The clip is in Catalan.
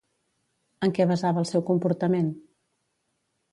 En què basava el seu comportament?